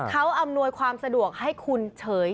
เขาอำนวยความสะดวกให้คุณเฉย